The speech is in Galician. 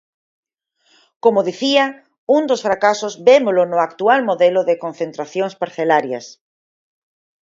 Como dicía, un dos fracasos vémolo no actual modelo de concentracións parcelarias.